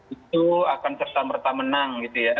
itu akan tersamerta menang